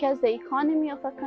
karena ekonomi negara